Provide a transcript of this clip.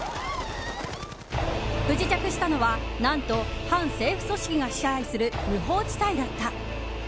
不時着したのは、何と反政府組織が支配する無法地帯だった。